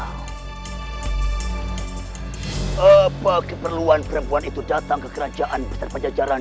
keperluan perempuan itu datang ke kerajaan besar pajajaran